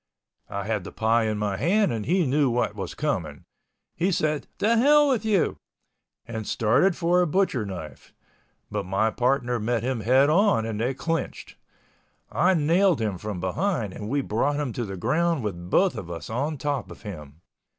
I had the pie in my hand and he knew what was coming. He said, "The hell with you," and started for a butcher knife—but my partner met him head on and they clinched. I nailed him from behind and we brought him to the ground with both of us on top of him.